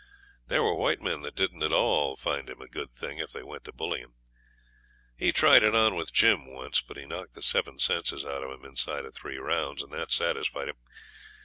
There were white men that didn't at all find him a good thing if they went to bully him. He tried it on with Jim once, but he knocked the seven senses out of him inside of three rounds, and that satisfied him.